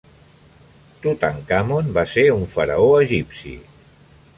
Tutankamon va ser un faraó egipci.